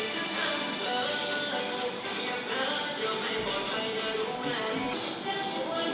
สวัสดีครับ